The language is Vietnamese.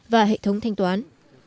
và hệ thống thanh toán